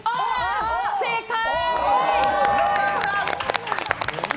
正解！